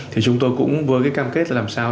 thì chúng tôi cũng với cái cam kết là làm sao